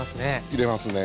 入れますね